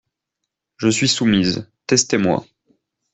Je suis soumise, testez-moi!